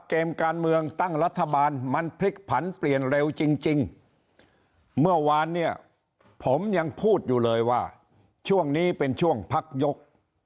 เกมการเมืองตั้งรัฐบาลมันพลิกผันเปลี่ยนเร็วจริงเมื่อวานเนี่ยผมยังพูดอยู่เลยว่าช่วงนี้เป็นช่วงพักยก